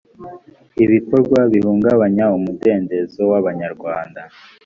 ibikorwa bihungabanya umudendezo w abanyarwanda